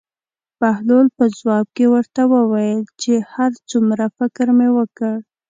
بهلول په ځواب کې ورته وویل چې هر څومره فکر مې وکړ.